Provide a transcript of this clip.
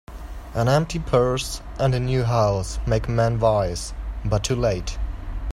An empty purse, and a new house, make a man wise, but too late.